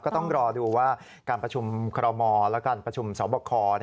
ก็ต้องรอดูว่าการประชุมคอรมอและการประชุมสอบคอ